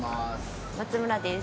松村です。